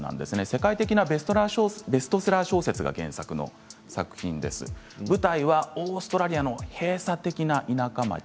世界的なベストセラー小説が原作で舞台はオーストラリアの閉鎖的な田舎町。